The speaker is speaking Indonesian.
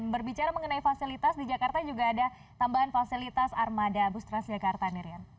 berbicara mengenai fasilitas di jakarta juga ada tambahan fasilitas armada bus transjakarta miriam